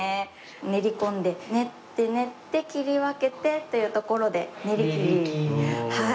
練り込んで練って練って切り分けてっていうところで「練り切り」はい。